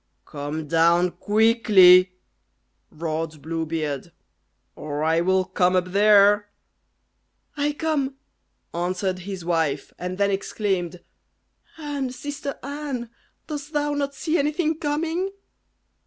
"Come down quickly," roared Blue Beard, "or I will come up there." "I come," answered his wife, and then exclaimed, "Anne! sister Anne! dost thou not see anything coming?"